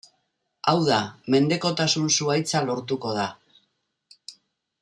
Hau da, mendekotasun-zuhaitza lortuko da.